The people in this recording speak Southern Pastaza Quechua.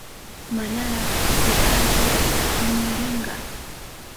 Manara yachanchirachu pimi rinka.